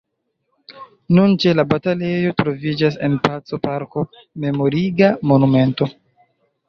Nun, ĉe la batalejo, troviĝas en paco-parko memoriga monumento.